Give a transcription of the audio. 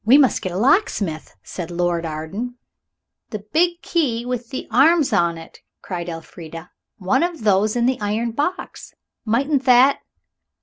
"We must get a locksmith," said Lord Arden. "The big key with the arms on it!" cried Elfrida; "one of those in the iron box. Mightn't that